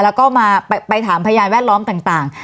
แล้วก็มาไปถามพยานแวดล้อมต่าง